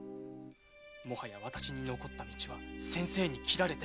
もはや私に残った道は先生に斬られて死ぬことしか。